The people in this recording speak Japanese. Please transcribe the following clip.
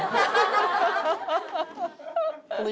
ハハハハ！